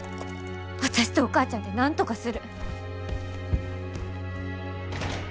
私とお母ちゃんでなんとかする。